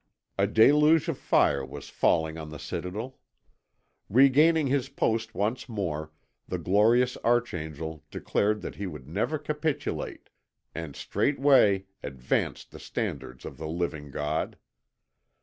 A deluge of fire was falling on the citadel. Regaining his post once more, the glorious archangel declared that he would never capitulate, and straightway advanced the standards of the living God.